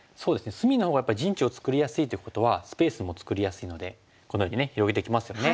隅のほうがやっぱり陣地を作りやすいということはスペースも作りやすいのでこのように広げてきますよね。